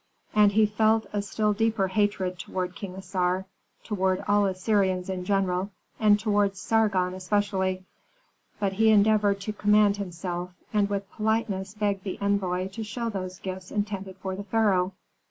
And he felt a still deeper hatred toward King Assar, toward all Assyrians in general, and toward Sargon especially. But he endeavored to command himself, and with politeness begged the envoy to show those gifts intended for the pharaoh.